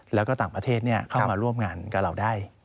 แล้วก็ต่างประเทศเข้ามาร่วมงานกับเราได้